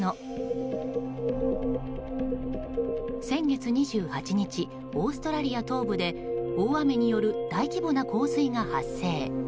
先月２８日オーストラリア東部で大雨による大規模な洪水が発生。